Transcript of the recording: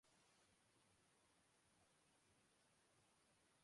super computer کے امکانی خریدار